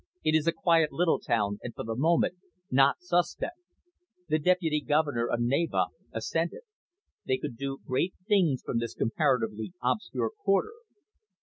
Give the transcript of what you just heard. It is a quiet little town, and, for the moment, not suspect." The Deputy Governor of Navarre assented. They could do great things from this comparatively obscure quarter.